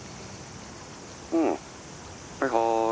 うんはいはーい